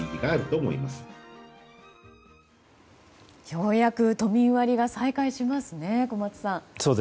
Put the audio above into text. ようやく都民割が再開しますね、小松さん。